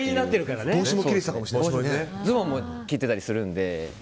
ズボンも切ってたりするので。